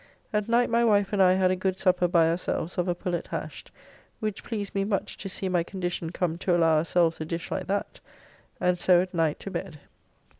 At night my wife and I had a good supper by ourselves of a pullet hashed, which pleased me much to see my condition come to allow ourselves a dish like that, and so at night to bed.